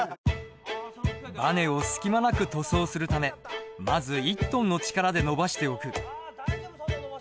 バネを隙間なく塗装するためまず１トンの力で伸ばしておく。